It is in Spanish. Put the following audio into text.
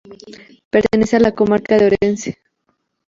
Pertenece a la Comarca de Orense.